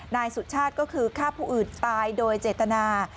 นายสุชาติก็คือฆ่าผู้อื่นตายโดยเจตนา